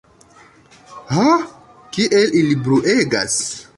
Ha, kiel ili bruegas!